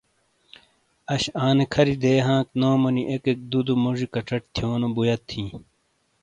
اَش آنے کھَری دے ہانک نومونی ایکیک دُو دُو موجی کَچٹ تھِیونو بُویت ہِیں۔